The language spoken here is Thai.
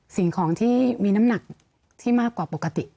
สิ่งของที่มีน้ำหนักที่มากกว่าปกติ